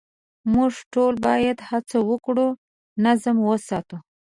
موږ ټول باید هڅه وکړو نظم وساتو.